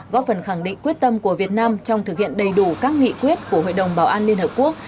góp phần khẳng định quyết tâm của việt nam trong thực hiện đầy đủ các nghị quyết của hội đồng bảo an liên hợp quốc